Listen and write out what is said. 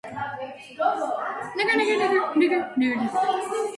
უპირატესობას ანიჭებს ფართოფოთლოვან ტყეებსა და ფხვიერ, არა მჟავა, კარგად დრენირებულ ნიადაგს.